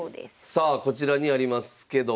さあこちらにありますけども。